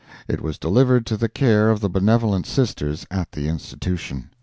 It was delivered to the care of the benevolent Sisters at the Institution.